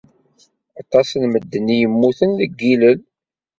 Aṭas n medden ay yemmuten, deg yilel.